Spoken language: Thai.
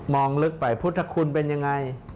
มองลึกไปพุทธคุณเป็นอย่างไร